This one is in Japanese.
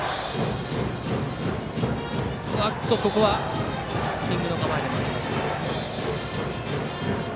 ここはヒッティングの構えでした。